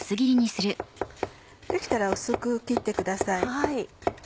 できたら薄く切ってください。